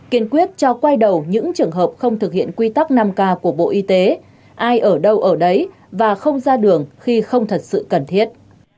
kiên quyết cho quay đầu những trường hợp không thực hiện quy tắc năm k của bộ y tế ai ở đâu ở đấy và không ra đường khi không thật sự cần thiết